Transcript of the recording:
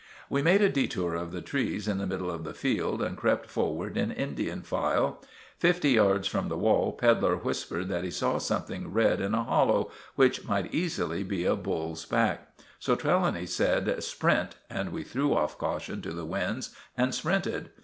We made a detour of the trees in the middle of the field and crept forward in Indian file. Fifty yards from the wall Pedlar whispered that he saw something red in a hollow, which might easily be a bull's back; so Trelawny said "Sprint!" and we threw off caution to the winds and sprinted.